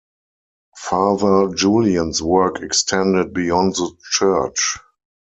Father Julien's work extended beyond the church.